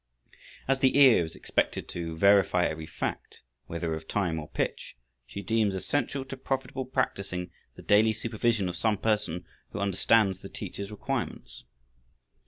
As the ear is expected to verify every fact, whether of time or pitch, she deems essential to profitable practicing the daily supervision of some person who understands the teacher's requirements.